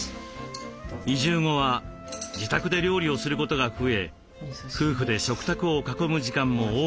移住後は自宅で料理をすることが増え夫婦で食卓を囲む時間も多くなりました。